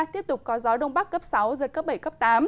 tiếp tục có gió đông bắc cấp sáu giật cấp bảy cấp tám